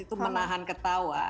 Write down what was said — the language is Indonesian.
itu menahan ketawa